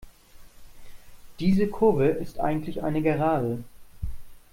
Diese Kurve ist eigentlich eine Gerade.